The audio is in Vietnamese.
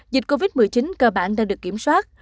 dịch covid một mươi chín cơ bản đã được kiểm soát